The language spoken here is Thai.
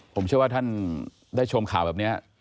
ผมเชื่อว่าท่านได้ชมข่าวแบบนี้